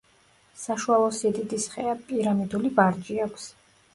საშუალო სიდიდის ხეა, პირამიდული ვარჯი აქვს.